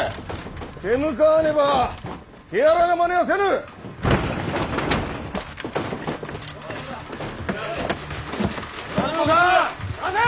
手向かわねば手荒なまねはせぬ。